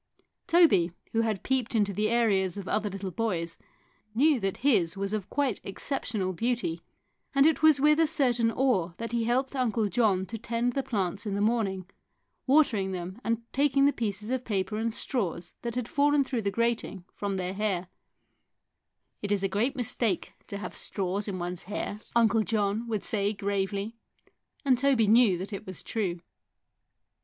Toby, who had peeped into the areas of other little boys, knew that his was of quite exceptional beauty, and it was with a certain awe that he helped Uncle John to tend the plants in the morning, watering them and taking the pieces of paper and straws that had fallen through the grating from their hair* "It is a great mistake to have straws in one's 146 THE BIRD IN THE GARDEN 147 hair," Uncle John would say gravely; and Toby knew that it was true.